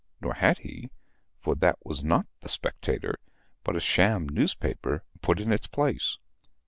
Nor had he, for that was not the Spectator, but a sham newspaper put in its place.